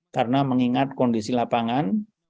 karena mengingat kondisi lapangan